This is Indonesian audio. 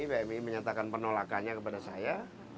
pmi menyatakan penolakannya kepada saya